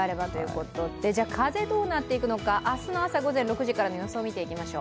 風、どうなっていくのか明日の朝午前６時からの予想を見ていきましょう。